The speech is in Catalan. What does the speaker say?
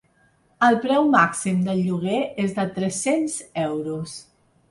El preu màxim del lloguer és de tres-cents euros.